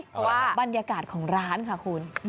เพราะว่าบรรยากาศของร้านค่ะคุณ